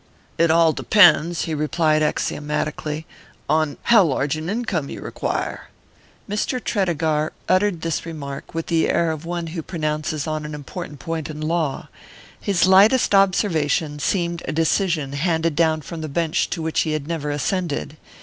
"It all depends," he replied axiomatically, "how large an income you require." Mr. Tredegar uttered this remark with the air of one who pronounces on an important point in law: his lightest observation seemed a decision handed down from the bench to which he had never ascended.